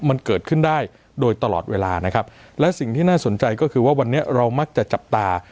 มันเกิดขึ้นได้โดยตลอดเวลานะครับและสิ่งที่น่าสนใจก็คือว่าวันนี้เรามักจะจับตา